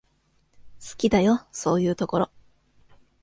好きだよ、そういうところ。